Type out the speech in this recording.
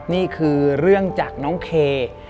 นี่คือเรื่องจากน้องเค